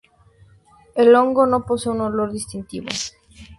El hongo no posee un olor distintivo.